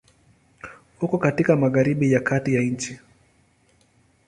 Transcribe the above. Uko katika Magharibi ya kati ya nchi.